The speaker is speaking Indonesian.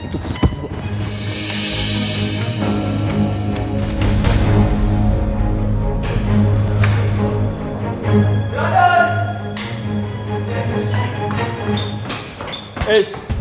itu kesan gue